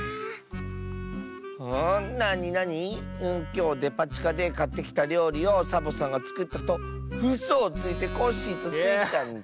「きょうデパちかでかってきたりょうりをサボさんがつくったとうそをついてコッシーとスイちゃんに」。